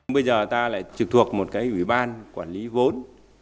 bây giờ ta lại trực thuộc một cái ủy ban quản lý vốn